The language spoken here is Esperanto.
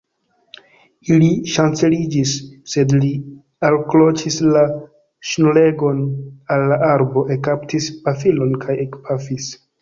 Ili ŝanceliĝis, sed li alkroĉis la ŝnuregon al la arbo, ekkaptis pafilon kaj ekpafis.